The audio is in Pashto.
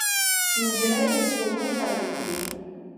نجلۍ له سپوږمۍ خبرې کوي.